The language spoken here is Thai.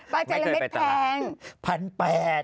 ปลาจาระเม็ดแพง